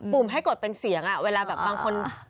ุ่มให้กดเป็นเสียงเวลาแบบบางคน